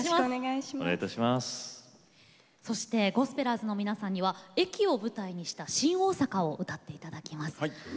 ゴスペラーズの皆さんには駅を舞台にした「新大阪」を歌っていただきます。